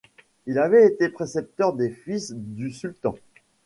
Il avait été précepteur des fils du Sultan.